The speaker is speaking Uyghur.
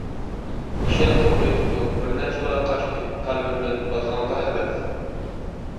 كىشەن سوقۇۋېتىپتۇ بىرنەچچە بالا قاچتى قەلبىمدىن بازغانغا ھەۋەس.